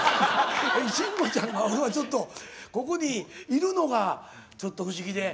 慎吾ちゃんが俺はちょっとここにいるのがちょっと不思議で。